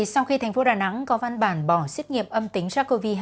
sau khi tp đà nẵng có văn bản bỏ xét nghiệm âm tính sars cov hai